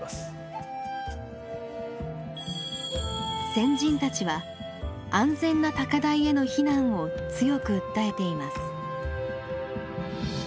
先人たちは安全な高台への避難を強く訴えています。